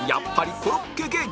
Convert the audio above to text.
コロッケ芸人